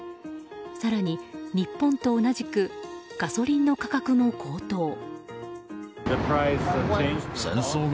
更に日本と同じくガソリンの価格も高騰。